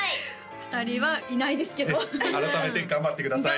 ２人はいないですけど改めて頑張ってください